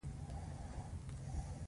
د غوا شیدې روغتیا ته ګټه رسوي.